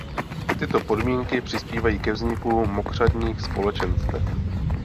Tyto podmínky přispívají ke vzniku mokřadních společenstev.